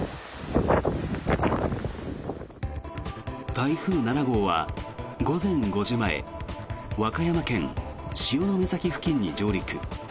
台風７号は午前５時前和歌山県・潮岬付近に上陸。